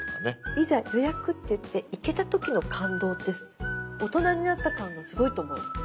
いざ予約っていって行けた時の感動って大人になった感がすごいと思います。